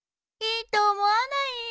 いいと思わない？